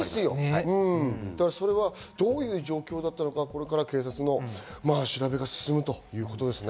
どういう状況だったのか、これから警察の調べが進むということですね。